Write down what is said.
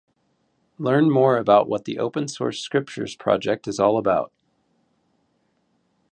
Learn more about what the Open Source Scriptures project is all about.